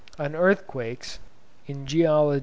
on Earthquakes ('Geolog.